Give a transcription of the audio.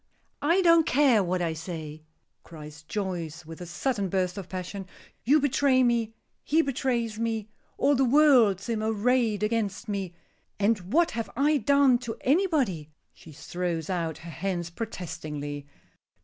"I don't care what I say," cries Joyce, with a sudden burst of passion. "You betray me; he betrays me; all the world seem arrayed against me. And what have I done to anybody?" She throws out her hands protestingly.